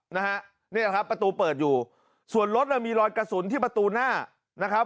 นะฮะนี่แหละครับประตูเปิดอยู่ส่วนรถน่ะมีรอยกระสุนที่ประตูหน้านะครับ